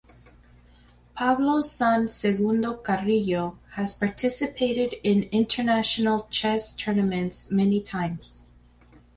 Pablo San Segundo Carrillo has participated in international chess tournaments many times.